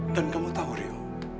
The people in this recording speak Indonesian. dan kamu tau rio